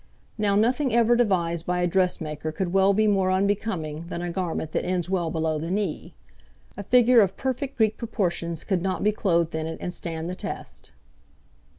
Now nothing ever devised by a dressmaker could well be more unbecoming than a garment that ends well below the knee; a figure of perfect Greek proportions could not be clothed in it and stand the test.